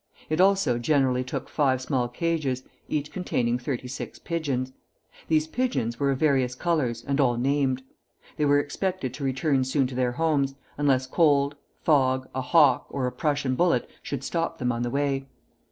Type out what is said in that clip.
It also generally took five small cages, each containing thirty six pigeons. These pigeons were of various colors, and all named. They were expected to return soon to their homes, unless cold, fog, a hawk, or a Prnssian bullet should stop them on the way.